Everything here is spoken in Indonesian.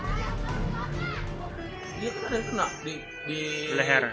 itu ada yang kena di leher